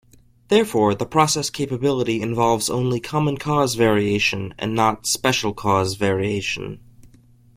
Therefore, the process capability involves only common cause variation and not special cause variation.